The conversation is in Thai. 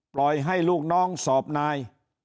ปล่อยให้ลูกน้องสอบนาย